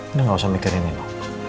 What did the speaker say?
udah nggak usah mikirin nino